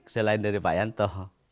selain dari pak yanto